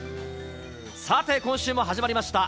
さて、今週も始まりました。